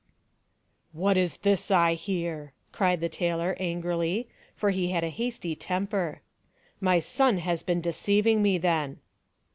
"" What is this I hear ?" cried the tailor, angrily, for he had a hasty temper. "My son has been deceiving me then."